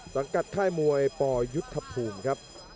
กับค่ายมวยปยุทธภูมิครับ